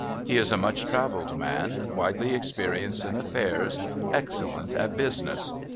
He is a much travelled man, widely experienced in affairs, excellent at business.